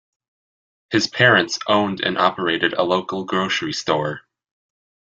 His parents owned and operated a local grocery store.